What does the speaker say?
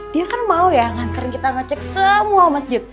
dia kan mau ya ngangkerin kita ngecek semua masjid